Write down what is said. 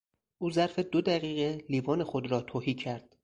او ظرف دو دقیقه لیوان خود را تهی کرد.